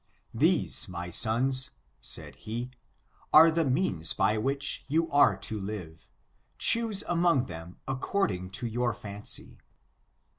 These, my sons, said he, are the means by which you are to live ; choose among them according to your fancy.